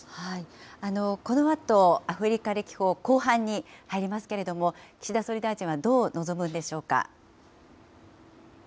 このあとアフリカ歴訪、後半に入りますけれども、岸田総理大臣はどう臨むんでしょうか。